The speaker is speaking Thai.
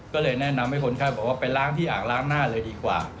ก็เลยแนะนำให้คนไข้บอกว่าไปล้างที่อ่างล้างหน้าเลยดีกว่า